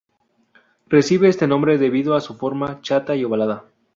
Recibe este nombre debido a su forma chata y ovalada.